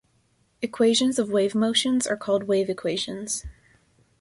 Equations of wave motion are called "wave equations".